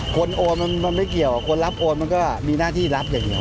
โอนมันไม่เกี่ยวคนรับโอนมันก็มีหน้าที่รับอย่างเดียว